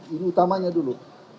ini utamanya dulu